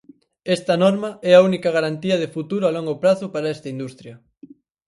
Esta norma é a única garantía de futuro a longo prazo para esta industria.